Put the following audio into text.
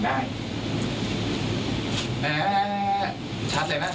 ใช่หรือยังใช่หรือยัง